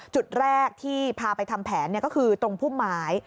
จุดแรกที่พาไปทำแผนก็คือตรงพุ่มไม้